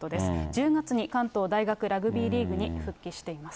１０月に関東大学ラグビーリーグに復帰しています。